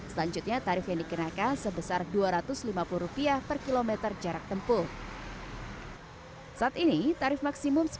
selanjutnya tarif yang dikenakan sebesar dua ratus lima puluh rupiah per kilometer jarak tempuh saat ini tarif maksimum